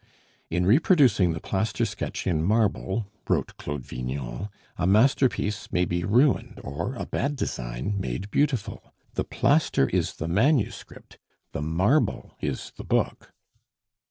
"In reproducing the plaster sketch in marble," wrote Claude Vignon, "a masterpiece may be ruined, or a bad design made beautiful. The plaster is the manuscript, the marble is the book."